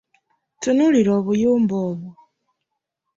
Tunuulira obuyumba obwo?